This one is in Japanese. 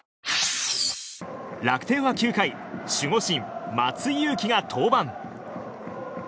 楽天は９回、守護神・松井裕樹が登板。